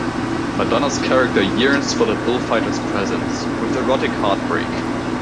Madonna's character yearns for the bullfighter's presence, with erotic heartbreak.